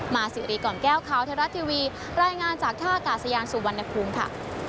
สิริก่อนแก้วข่าวไทยรัฐทีวีรายงานจากท่ากาศยานสุวรรณภูมิค่ะ